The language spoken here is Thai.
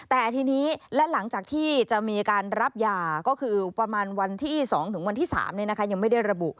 แต่ทีนี้และหลังจากที่จะมีการรับยาก็คือประมาณวันที่๒ถึงวันที่๓ยังไม่ได้ระบุ